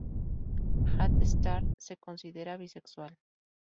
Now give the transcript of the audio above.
Jade Starr se considera bisexual.